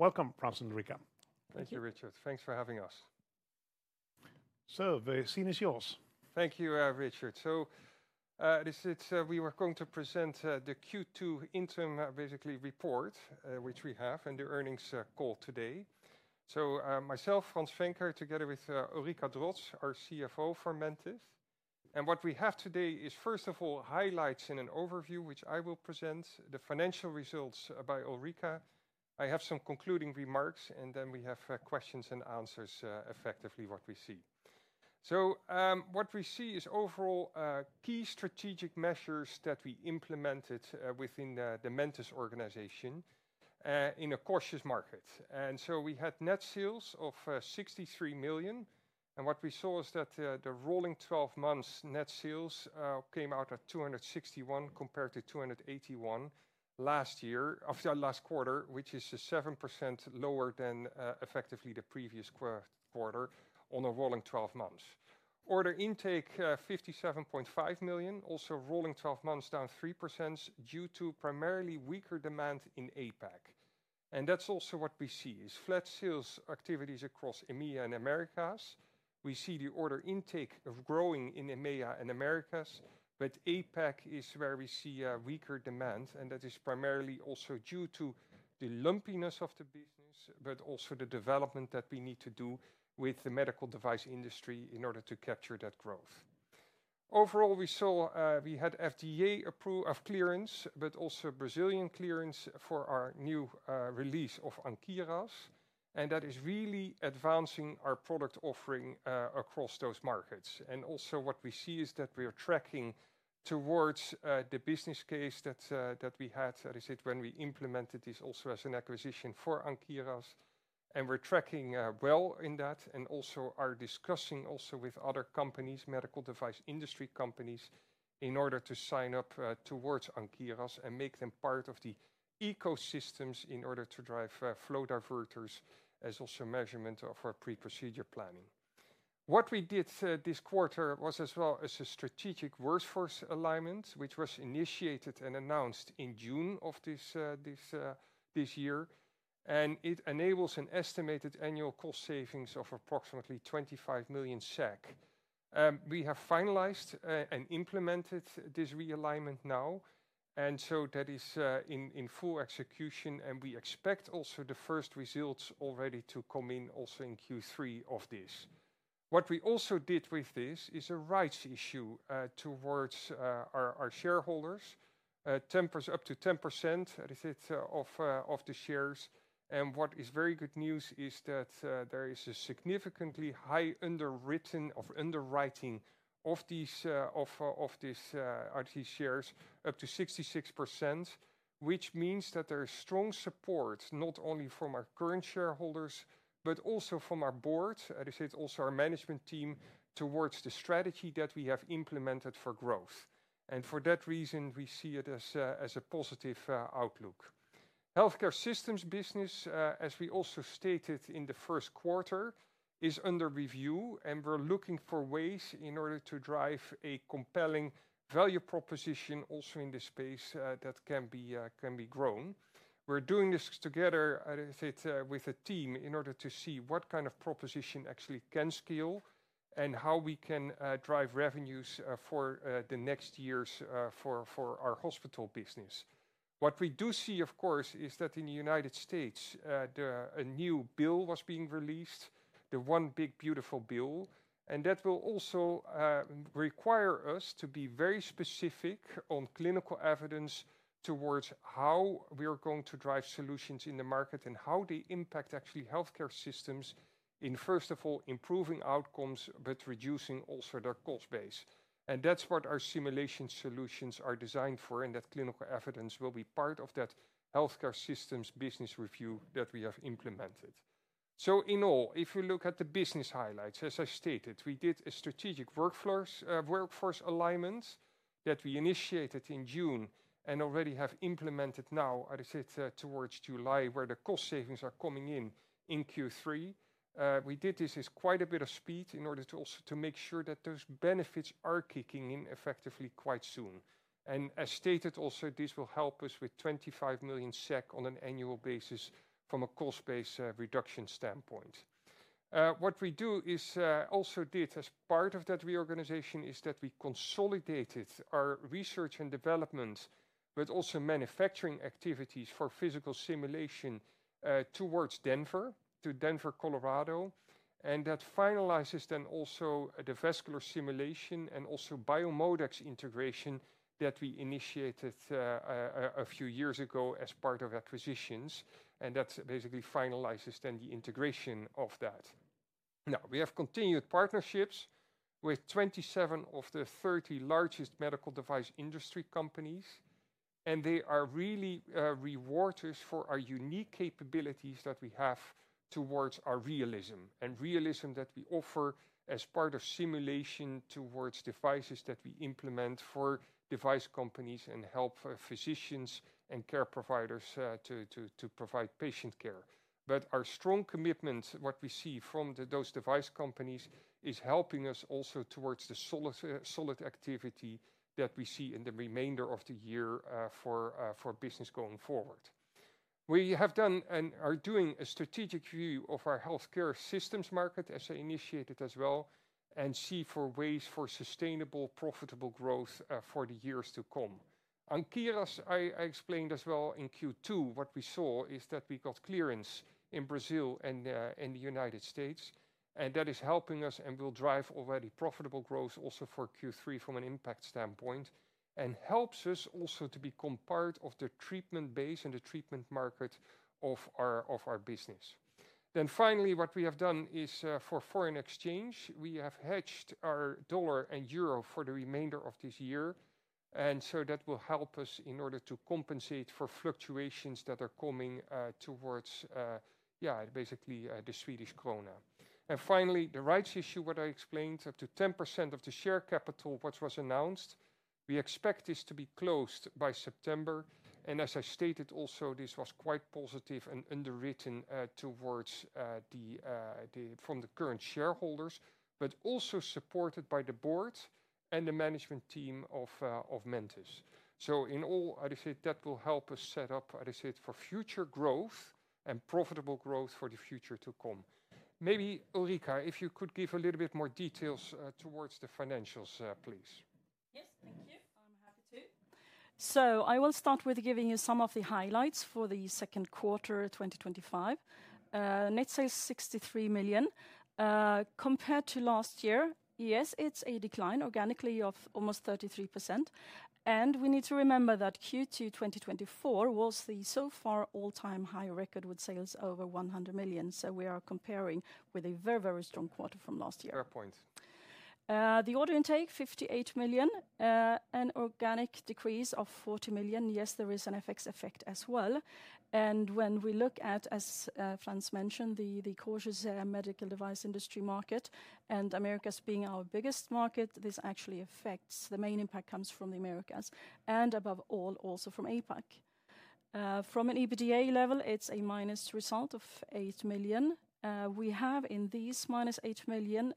Welcome, Frans and Ulrika. Thank you, Rikard. Thanks for having us. The scene is yours. Thank you, Rikard. We were going to present the Q2 interim report, which we have, and the earnings call today. Myself, Frans Venker, together with Ulrika Drotz, our CFO for Mentice. What we have today is, first of all, highlights in an overview, which I will present, the financial results by Ulrika. I have some concluding remarks, and then we have questions and answers, effectively what we see. What we see is overall key strategic measures that we implemented within the Mentice organization in a cautious market. We had net sales of 63 million. What we saw is that the rolling 12 months net sales came out at 261 million compared to 281 million last year, of the last quarter, which is 7% lower than the previous quarter on a rolling 12 months. Order intake 57.5 million. Also, rolling 12 months down 3% due to primarily weaker demand in APAC. That's also what we see is flat sales activities across EMEA and Americas. We see the order intake growing in EMEA and Americas, but APAC is where we see weaker demand. That is primarily also due to the lumpiness of the business, but also the development that we need to do with the medical device industry in order to capture that growth. Overall, we saw we had FDA-approved clearance, but also Brazilian clearance for our new release of Ankyras. That is really advancing our product offering across those markets. Also, what we see is that we are tracking towards the business case that we had, that is it when we implemented this also as an acquisition for Ankyras. We're tracking well in that. Also, our discussion with other companies, medical device industry companies, in order to sign up towards Ankyras and make them part of the ecosystems in order to drive flow diverters as also measurement of our pre-procedure planning. What we did this quarter was a strategic workforce alignment, which was initiated and announced in June of this year. It enables an estimated annual cost savings of approximately 25 million SEK. We have finalized and implemented this realignment now. That is in full execution. We expect also the first results already to come in also in Q3 of this. What we also did with this is a rights issue towards our shareholders, up to 10% of the shares. What is very good news is that there is a significantly high underwriting of these shares up to 66%, which means that there is strong support not only from our current shareholders, but also from our board, as I said, also our management team towards the strategy that we have implemented for growth. For that reason, we see it as a positive outlook. Healthcare systems business, as we also stated in the first quarter, is under review. We're looking for ways in order to drive a compelling value proposition also in this space that can be grown. We're doing this together with a team in order to see what kind of proposition actually can scale and how we can drive revenues for the next years for our hospital business. What we do see, of course, is that in the United States, a new bill was being released, the one big beautiful bill. That will also require us to be very specific on clinical evidence towards how we're going to drive solutions in the market and how they impact actually healthcare systems in, first of all, improving outcomes, but reducing also the cost base. That's what our simulation solutions are designed for. That clinical evidence will be part of that healthcare systems business review that we have implemented. In all, if you look at the business highlights, as I stated, we did a strategic workforce alignment that we initiated in June and already have implemented now, as I said, towards July, where the cost savings are coming in in Q3. We did this at quite a bit of speed in order to also make sure that those benefits are kicking in effectively quite soon. As stated also, this will help us with 25 million SEK on an annual basis from a cost base reduction standpoint. What we also did as part of that reorganization is that we consolidated our research and development, but also manufacturing activities for physical simulation to Denver, Colorado. That finalizes then also the vascular simulation and also Biomodex integration that we initiated a few years ago as part of acquisitions. That basically finalizes then the integration of that. Now, we have continued partnerships with 27 of the 30 largest medical device industry companies. They are really rewarded for our unique capabilities that we have towards our realism and realism that we offer as part of simulation towards devices that we implement for device companies and help physicians and care providers to provide patient care. Our strong commitment, what we see from those device companies, is helping us also towards the solid activity that we see in the remainder of the year for business going forward. We have done and are doing a strategic view of our healthcare systems market, as I initiated as well, and see for ways for sustainable, profitable growth for the years to come. Ankyras, I explained as well in Q2, what we saw is that we got clearance in Brazil and in the United States. That is helping us and will drive already profitable growth also for Q3 from an impact standpoint and helps us also to become part of the treatment base and the treatment market of our business. Finally, what we have done is for foreign exchange, we have hedged our dollar and euro for the remainder of this year. That will help us in order to compensate for fluctuations that are coming towards, basically, the Swedish krona. Finally, the rights issue, what I explained, to 10% of the share capital, which was announced, we expect this to be closed by September. As I stated also, this was quite positive and underwritten from the current shareholders, but also supported by the board and the management team of Mentice. In all, I'd say that will help us set up, I'd say, for future growth and profitable growth for the future to come. Maybe, Ulrika, if you could give a little bit more details towards the financials, please. Yes, thank you. I'm happy to. I will start with giving you some of the highlights for the second quarter of 2025. Net sales 63 million. Compared to last year, yes, it's a decline organically of almost 33%. We need to remember that Q2 2024 was the so far all-time high record with sales over 100 million. We are comparing with a very, very strong quarter from last year. Fair point. The order intake 58 million. An organic decrease of 40 million. Yes, there is an FX effect as well. When we look at, as Frans mentioned, the cautious medical device industry market and Americas being our biggest market, this actually affects the main impact comes from the Americas. Above all, also from APAC. From an EBITDA level, it's a minus result of 8 million. We have in these minus 8 million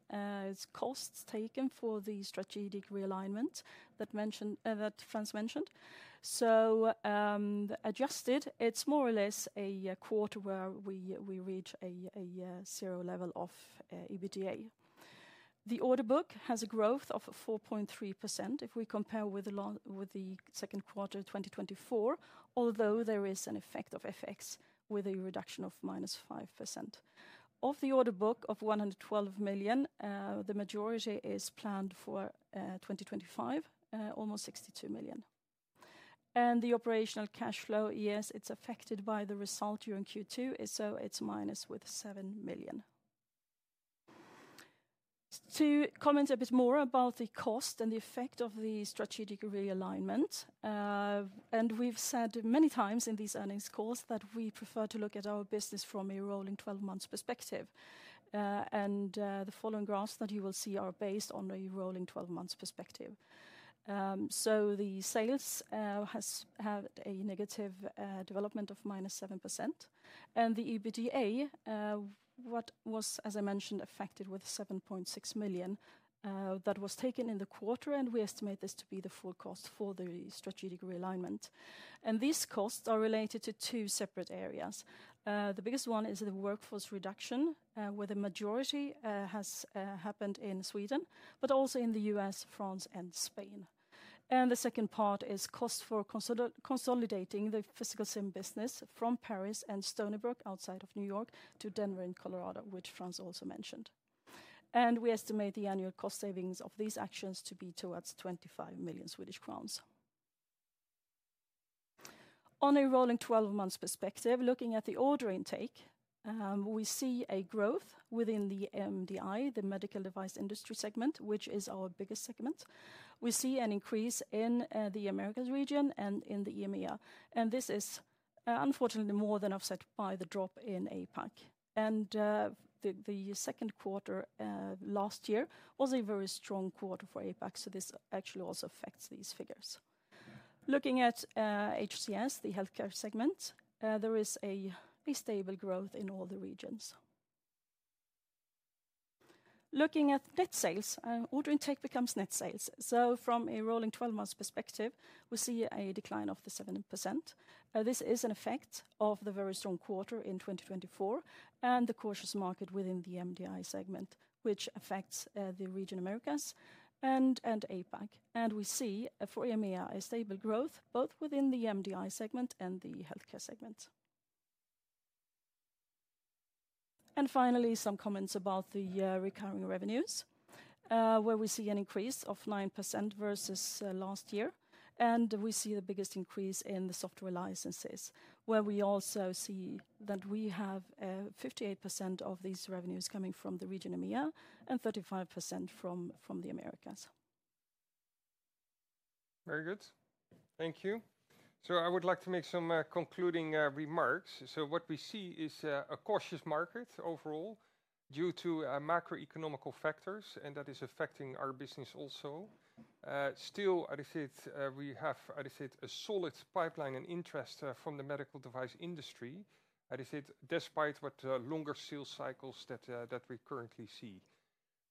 costs taken for the strategic realignment that Frans mentioned. Adjusted, it's more or less a quarter where we reach a zero level of EBITDA. The order book has a growth of 4.3% if we compare with the second quarter of 2024, although there is an effect of FX with a reduction of minus 5%. Of the order book of 112 million, the majority is planned for 2025, almost 62 million. The operational cash flow, yes, it's affected by the result during Q2. It's minus with 7 million. To comment a bit more about the cost and the effect of the strategic realignment, we've said many times in these earnings calls that we prefer to look at our business from a rolling 12 months perspective. The following graphs that you will see are based on a rolling 12 months perspective. The sales have had a negative development of -7%. The EBITDA, what was, as I mentioned, affected with 7.6 million, that was taken in the quarter. We estimate this to be the full cost for the strategic realignment. These costs are related to two separate areas. The biggest one is the workforce reduction, where the majority has happened in Sweden, but also in the U.S., France, and Spain. The second part is cost for consolidating the physical sim business from Paris and Stony Brook outside of New York to Denver, Colorado, which Frans also mentioned. We estimate the annual cost savings of these actions to be towards 25 million Swedish crowns. On a rolling 12 months perspective, looking at the order intake, we see a growth within the MDI, the medical device industry segment, which is our biggest segment. We see an increase in the Americas region and in the EMEA. This is unfortunately more than offset by the drop in APAC. The second quarter last year was a very strong quarter for APAC. This actually also affects these figures. Looking at HCS, the healthcare segment, there is a stable growth in all the regions. Looking at net sales, order intake becomes net sales. From a rolling 12 months perspective, we see a decline of the 7%. This is an effect of the very strong quarter in 2024 and the cautious market within the MDI segment, which affects the region Americas and APAC. We see for EMEA a stable growth both within the MDI segment and the healthcare segment. Finally, some comments about the recurring revenues, where we see an increase of 9% versus last year. We see the biggest increase in the software licenses, where we also see that we have 58% of these revenues coming from the region EMEA and 35% from the Americas. Very good. Thank you. I would like to make some concluding remarks. What we see is a cautious market overall due to macroeconomic factors, and that is affecting our business also. Still, I'd say we have a solid pipeline and interest from the medical device industry, despite the longer sales cycles that we currently see.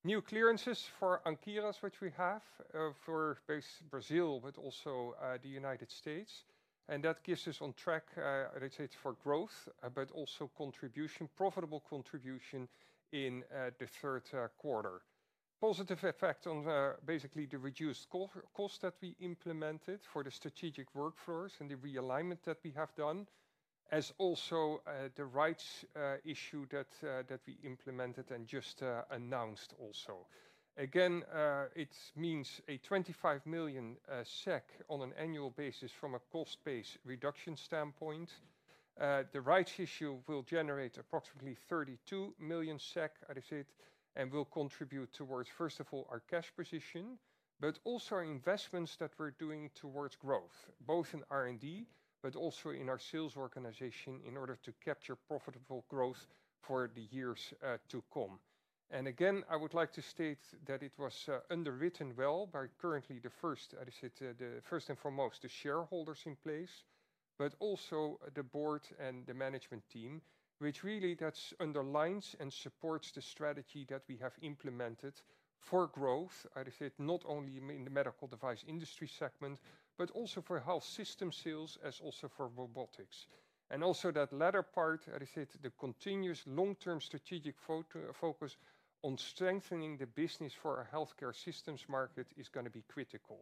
New clearances for Ankyras, which we have for Brazil, but also the United States, give us on track, I'd say, for growth, but also contribution, profitable contribution in the third quarter. Positive effect on basically the reduced cost that we implemented for the strategic workforce and the realignment that we have done, as also the rights issue that we implemented and just announced also. It means a 25 million SEK on an annual basis from a cost-based reduction standpoint. The rights issue will generate approximately 32 million SEK, I'd say, and will contribute towards, first of all, our cash position, but also our investments that we're doing towards growth, both in R&D, but also in our sales organization in order to capture profitable growth for the years to come. I would like to state that it was underwritten well by currently the first, I'd say, the first and foremost, the shareholders in place, but also the board and the management team, which really underlines and supports the strategy that we have implemented for growth, not only in the medical device industry segment, but also for health system sales as also for robotics. Also, that latter part, the continuous long-term strategic focus on strengthening the business for our healthcare systems market is going to be critical.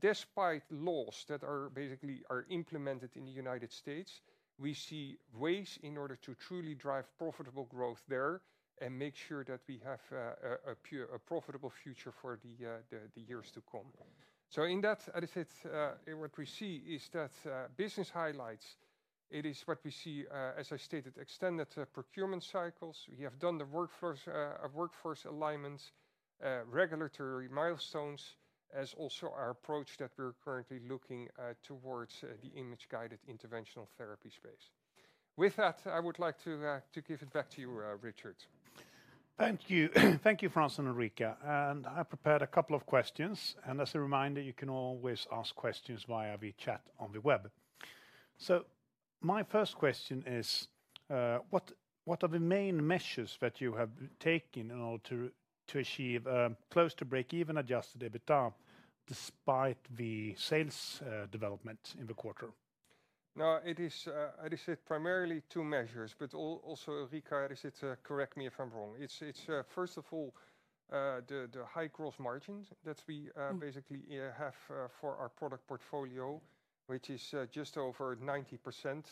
Despite laws that are basically implemented in the United States, we see ways in order to truly drive profitable growth there and make sure that we have a profitable future for the years to come. In that, what we see is that business highlights. It is what we see, as I stated, extended procurement cycles. We have done the workforce alignments, regulatory milestones, as also our approach that we're currently looking towards the image-guided interventional therapy space. With that, I would like to give it back to you, Rikard. Thank you. Thank you, Frans and Ulrika. I prepared a couple of questions. As a reminder, you can always ask questions via the chat on the web. My first question is, what are the main measures that you have taken in order to achieve close to break even adjusted EBITDA despite the sales development in the quarter? It is, I'd say, primarily two measures, but also, Ulrika, I'd say, correct me if I'm wrong. It's, first of all, the high gross margins that we basically have for our product portfolio, which is just over 90%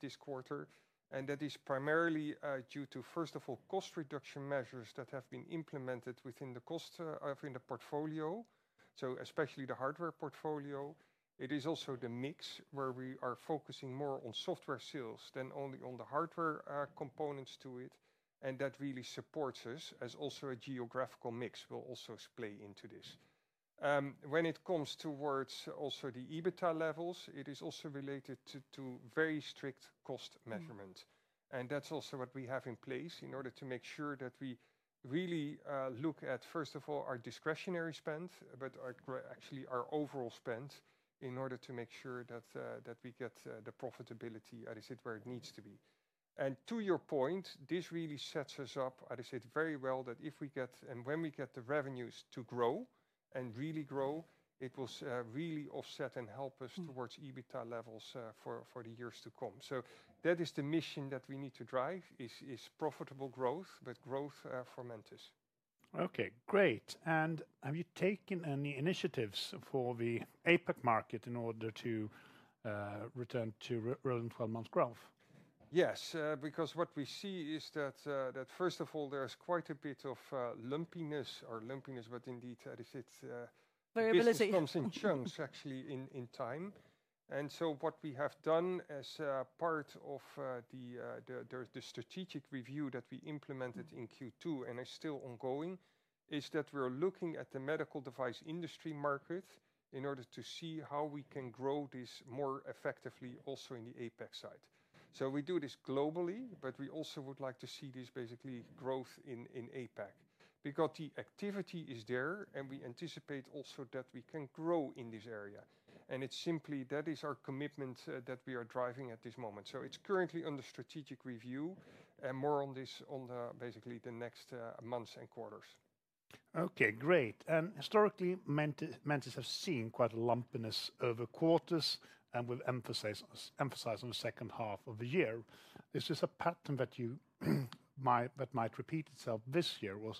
this quarter. That is primarily due to, first of all, cost reduction measures that have been implemented within the cost of the portfolio, especially the hardware portfolio. It is also the mix where we are focusing more on software sales than only on the hardware components to it. That really supports us, as also a geographical mix will also play into this. When it comes towards the EBITDA levels, it is also related to very strict cost measurement. That's also what we have in place in order to make sure that we really look at, first of all, our discretionary spend, but actually our overall spend in order to make sure that we get the profitability where it needs to be. To your point, this really sets us up, I'd say, very well that if we get and when we get the revenues to grow and really grow, it will really offset and help us towards EBITDA levels for the years to come. That is the mission that we need to drive is profitable growth, but growth for Mentice. Okay, great. Have you taken any initiatives for the APAC market in order to return to rolling 12 months growth? Yes, because what we see is that, first of all, there's quite a bit of lumpiness, but indeed, I'd say it comes in chunks actually in time. What we have done as part of the strategic review that we implemented in Q2 and is still ongoing is that we're looking at the medical device industry market in order to see how we can grow this more effectively also in the APAC side. We do this globally, but we also would like to see this basically growth in APAC because the activity is there and we anticipate also that we can grow in this area. It is simply that is our commitment that we are driving at this moment. It's currently under strategic review and more on this basically the next months and quarters. Okay, great. Historically, Mentice has seen quite a lumpiness over quarters and will emphasize on the second half of the year. Is this a pattern that might repeat itself this year, or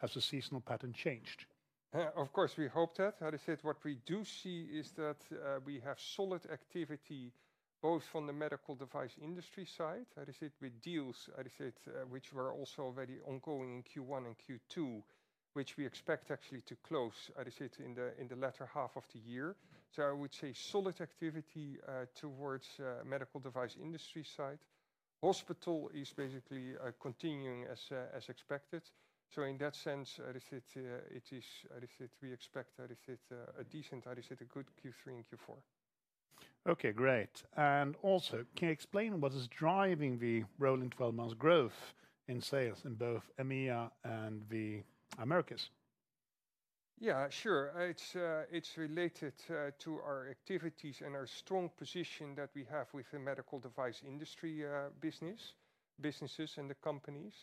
has the seasonal pattern changed? Of course, we hope that. What we do see is that we have solid activity both from the medical device industry side, with deals which were also already ongoing in Q1 and Q2, which we expect actually to close in the latter half of the year. I would say solid activity towards the medical device industry side. Hospital is basically continuing as expected. In that sense, we expect a decent, a good Q3 and Q4. Okay, great. Can you explain what is driving the rolling 12 months growth in sales in both EMEA and the Americas? Yeah, sure. It's related to our activities and our strong position that we have with the medical device industry businesses and the companies.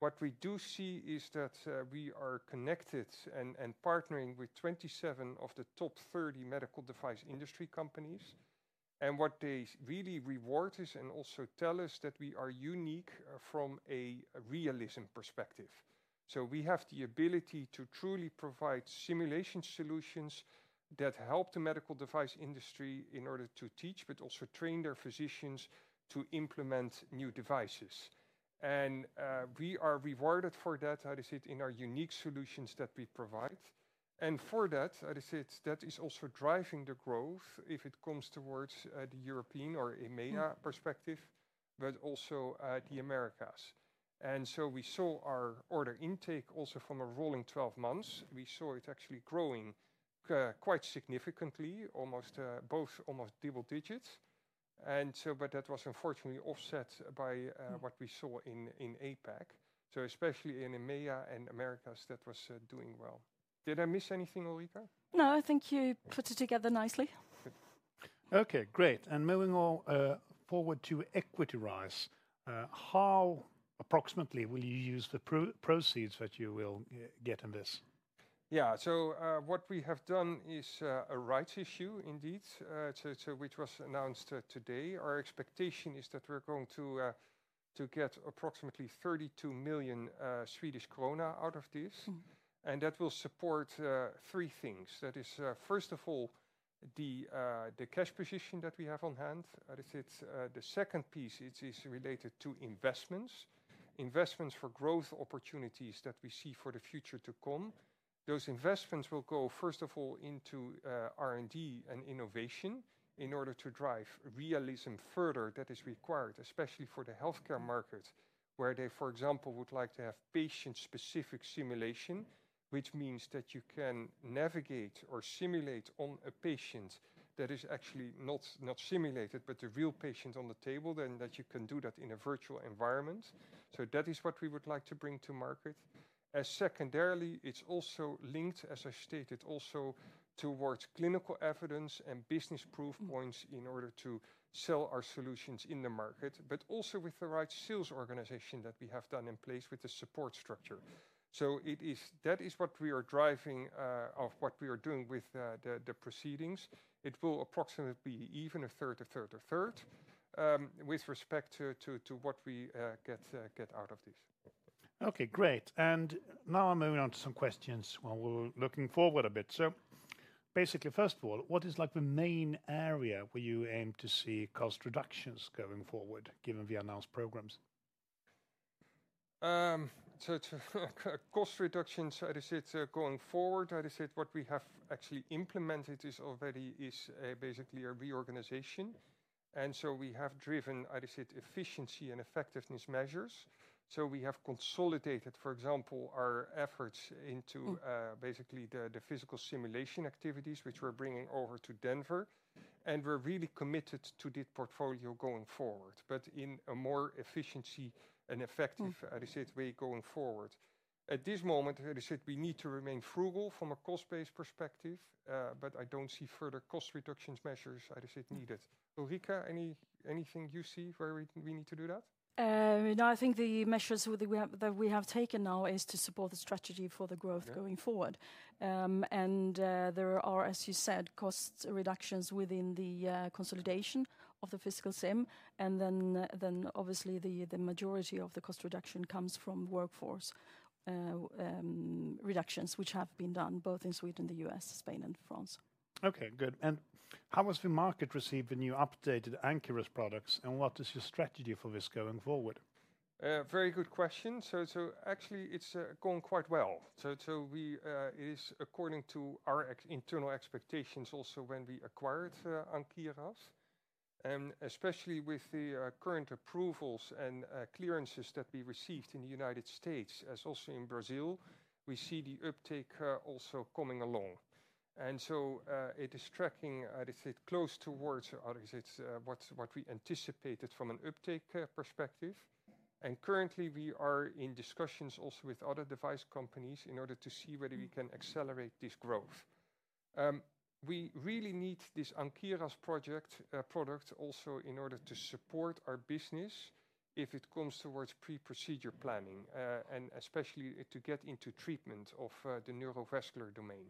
What we do see is that we are connected and partnering with 27 of the top 30 medical device industry companies. What they really reward us and also tell us is that we are unique from a realism perspective. We have the ability to truly provide simulation solutions that help the medical device industry in order to teach, but also train their physicians to implement new devices. We are rewarded for that, I'd say, in our unique solutions that we provide. I'd say that is also driving the growth if it comes towards the European or EMEA perspective, but also the Americas. We saw our order intake also from a rolling 12 months. We saw it actually growing quite significantly, almost both almost double digits. That was unfortunately offset by what we saw in APAC. Especially in EMEA and Americas, that was doing well. Did I miss anything, Ulrika? No, I think you put it together nicely. Okay, great. Moving on forward to equity rise, how approximately will you use the proceeds that you will get in this? Yeah, so what we have done is a rights issue indeed, which was announced today. Our expectation is that we're going to get approximately 32 million Swedish krona out of this. That will support three things. That is, first of all, the cash position that we have on hand. I'd say the second piece is related to investments, investments for growth opportunities that we see for the future to come. Those investments will go, first of all, into R&D and innovation in order to drive realism further that is required, especially for the healthcare market, where they, for example, would like to have patient-specific simulation, which means that you can navigate or simulate on a patient that is actually not simulated, but the real patient on the table, that you can do that in a virtual environment. That is what we would like to bring to market. Secondarily, it's also linked, as I stated, also towards clinical evidence and business proof points in order to sell our solutions in the market, but also with the right sales organization that we have done in place with the support structure. That is what we are driving of what we are doing with the proceedings. It will approximately be even a third, a third, a third with respect to what we get out of this. Okay, great. I'm moving on to some questions while we're looking forward a bit. Basically, first of all, what is like the main area where you aim to see cost reductions going forward given the announced programs? Cost reductions, I'd say, going forward, I'd say what we have actually implemented already is basically a reorganization. We have driven, I'd say, efficiency and effectiveness measures. We have consolidated, for example, our efforts into basically the physical simulation activities, which we're bringing over to Denver. We're really committed to this portfolio going forward, but in a more efficiency and effective way going forward. At this moment, I'd say we need to remain frugal from a cost-based perspective, but I don't see further cost reduction measures, I'd say, needed. Ulrika, anything you see where we need to do that? No, I think the measures that we have taken now are to support the strategy for the growth going forward. There are, as you said, cost reductions within the consolidation of the physical sim. Obviously, the majority of the cost reduction comes from workforce reductions, which have been done both in Sweden and the U.S., Spain, and France. Okay, good. How has the market received the new updated Ankyras products? What is your strategy for this going forward? Very good question. Actually, it's going quite well. It is according to our internal expectations also when we acquired Ankyras. Especially with the current approvals and clearances that we received in the United States, as also in Brazil, we see the uptake also coming along. It is tracking, I'd say, close towards what we anticipated from an uptake perspective. Currently, we are in discussions also with other device companies in order to see whether we can accelerate this growth. We really need this Ankyras product also in order to support our business if it comes towards pre-procedure planning and especially to get into treatment of the neurovascular domain.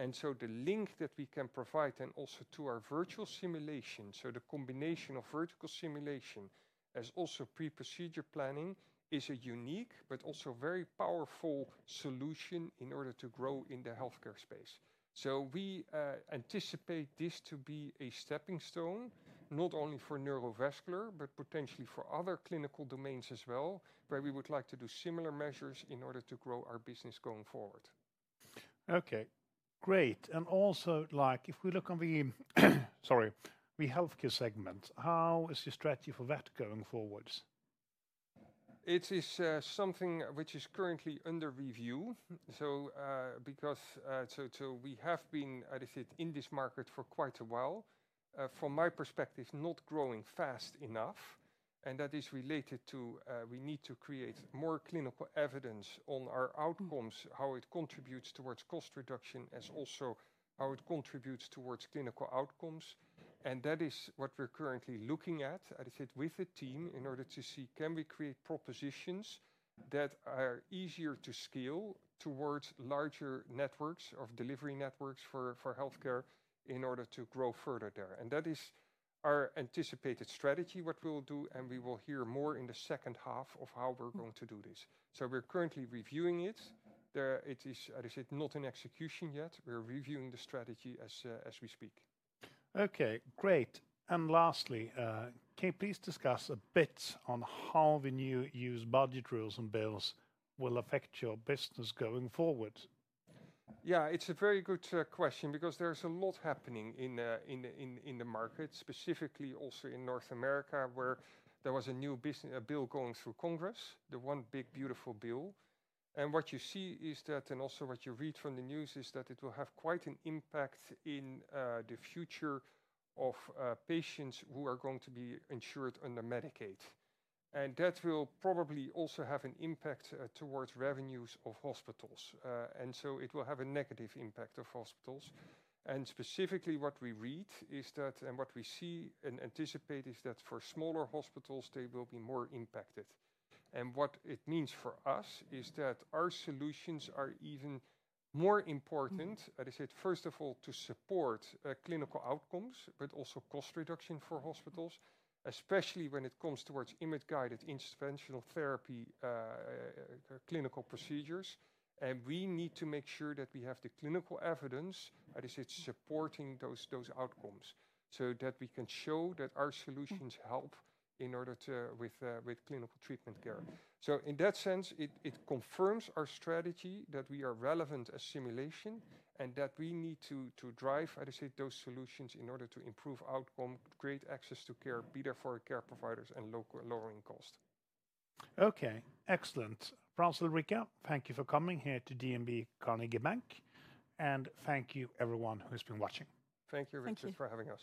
The link that we can provide and also to our virtual simulation, the combination of virtual simulation as also pre-procedure planning is a unique but also very powerful solution in order to grow in the healthcare space. We anticipate this to be a stepping stone not only for neurovascular but potentially for other clinical domains as well, where we would like to do similar measures in order to grow our business going forward. Okay, great. If we look on the, sorry, the healthcare segment, how is the strategy for that going forward? It is something which is currently under review. We have been, I'd say, in this market for quite a while, from my perspective, not growing fast enough. That is related to needing to create more clinical evidence on our outcomes, how it contributes towards cost reduction, as well as how it contributes towards clinical outcomes. That is what we're currently looking at with the team in order to see if we can create propositions that are easier to scale towards larger networks of delivery networks for healthcare in order to grow further there. That is our anticipated strategy, what we'll do. We will hear more in the second half of how we're going to do this. We're currently reviewing it. It is not in execution yet. We're reviewing the strategy as we speak. Okay, great. Lastly, can you please discuss a bit on how the new used budget rules and bills will affect your business going forward? Yeah, it's a very good question because there's a lot happening in the market, specifically also in North America, where there was a new business bill going through Congress, the one big beautiful bill. What you see is that, and also what you read from the news, is that it will have quite an impact in the future of patients who are going to be insured under Medicaid. That will probably also have an impact towards revenues of hospitals. It will have a negative impact on hospitals. Specifically, what we read is that, and what we see and anticipate is that for smaller hospitals, they will be more impacted. What it means for us is that our solutions are even more important, I'd say, first of all, to support clinical outcomes, but also cost reduction for hospitals, especially when it comes towards image-guided interventional therapy clinical procedures. We need to make sure that we have the clinical evidence, I'd say, supporting those outcomes so that we can show that our solutions help in order to with clinical treatment care. In that sense, it confirms our strategy that we are relevant as simulation and that we need to drive, I'd say, those solutions in order to improve outcome, create access to care, be there for care providers, and lowering cost. Okay, excellent. Frans, Ulrika, thank you for coming here to DNB Carnegie Bank. Thank you, everyone who has been watching. Thank you, Rikard, for having us.